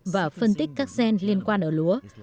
và phân tích các gen liên quan ở lúa